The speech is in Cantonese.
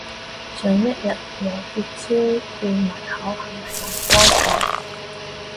想一日由結焦變埋口係咪諗多咗